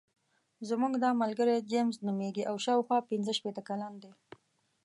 زموږ دا ملګری جیمز نومېږي او شاوخوا پنځه شپېته کلن دی.